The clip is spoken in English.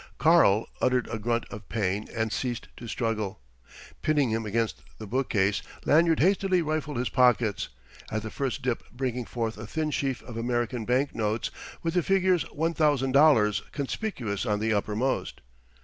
"Karl" uttered a grunt of pain and ceased to struggle. Pinning him against the bookcase, Lanyard hastily rifled his pockets, at the first dip bringing forth a thin sheaf of American bank notes with the figures $1000 conspicuous on the uppermost.